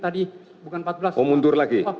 tadi bukan empat belas mau mundur lagi